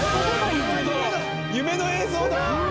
夢の映像だ！